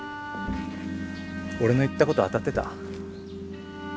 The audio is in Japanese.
俺の言ったこと当たってた？